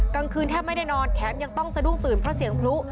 กลางคืนแทบไม่ได้นอนแถมยังต้องสะดุ้งตื่นเพราะเสียงพลุ